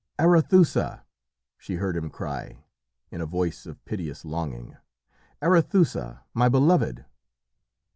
"Arethusa!" she heard him cry, in a voice of piteous longing "Arethusa! my belovèd!"